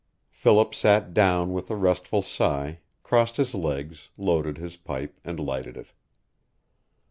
Philip sat down with a restful sigh, crossed his legs, loaded his pipe, and lighted it.